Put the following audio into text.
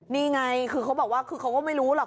นี่ไงคือเขาบอกว่าคือเขาก็ไม่รู้หรอก